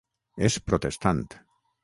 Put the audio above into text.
És protestant.